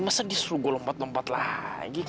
masa dia suruh gue lompat lompat lagi